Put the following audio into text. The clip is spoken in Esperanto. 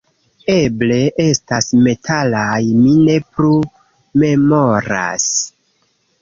Eble estas metalaj, mi ne plu memoras